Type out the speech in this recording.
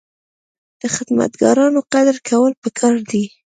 د خدمتګارانو قدر کول پکار دي.